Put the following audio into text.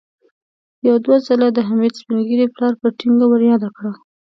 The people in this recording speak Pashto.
يو دوه ځله د حميد سپين ږيري پلار په ټينګه ور ياده کړه.